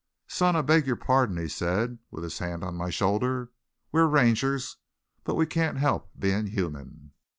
"Son, I beg your pardon," he said, with his hand on my shoulder. "We're Rangers, but we can't help being human.